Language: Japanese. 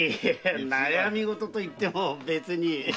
悩み事といっても別に。